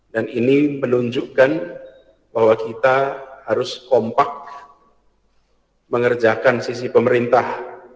dan ini menunjukkan bahwa kita harus kompak mengerjakan sisi pemerintah